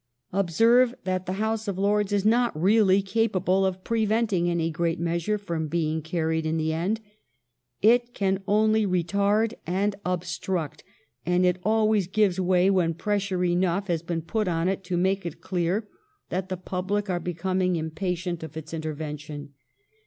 Observe that the House of Lords is not really capable of preventing any great measure from being carried in the end. It can only retard and obstruct, and it always gives way when pressure enough has been put on it to make it clear that the public are becoming im patient of its intervention.